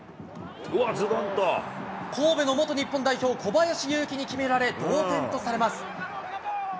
神戸の元日本代表、小林祐希に決められ、同点とされます。